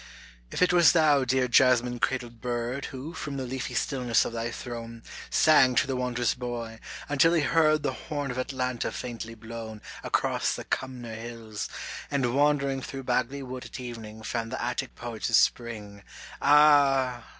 If it was thou dear jasmine cradled bird Who from the leafy stillness of thy throne Sang to the wondrous boy, until he heard The horn of Atalanta faintly blown Across the Cumner hills, and wandering Through Bagley wood at evening found the Attic poets' spring, — Ah